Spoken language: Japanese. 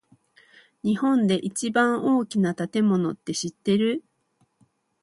日本で一番大きな建物って知ってる？